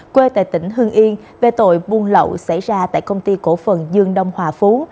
quê tại tỉnh hương yên về tội buôn lậu xảy ra tại công ty cổ phần dương đông hòa phú